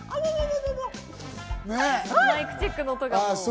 マイクチェックの音が。